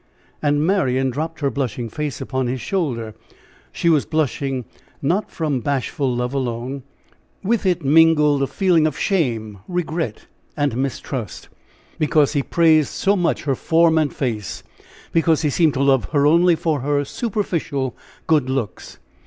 And Marian dropped her blushing face upon his shoulder she was blushing not from bashful love alone with it mingled a feeling of shame, regret, and mistrust, because he praised so much her form and face; because he seemed to love her only for her superficial good looks.